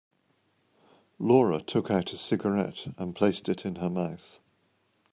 Laura took out a cigarette and placed it in her mouth.